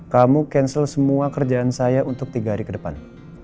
kamu cancel semua kerjaan saya untuk tiga hari ke depan